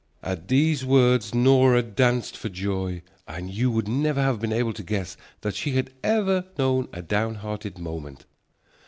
At these words Nora danced for joy, and you would never have been able to guess that she had ever known a downhearted moment.